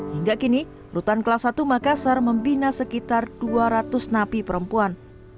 hingga kini rutan kelas satu makassar membina sekitar dua ratus napi perempuan